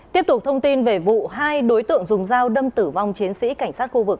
tiếp tục thông tin về vụ hai đối tượng dùng dao đâm tử vong chiến sĩ cảnh sát khu vực